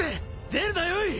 出るなよい！